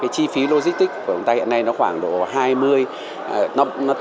chi phí logistic của chúng ta hiện nay